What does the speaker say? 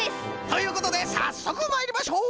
ということでさっそくまいりましょう！